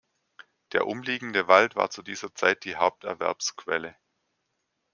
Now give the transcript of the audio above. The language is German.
Der umliegende Wald war zu dieser Zeit die Haupterwerbsquelle.